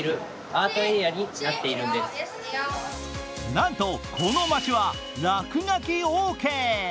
なんと、この街は落書きオーケー。